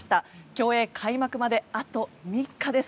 競泳開幕まであと３日です。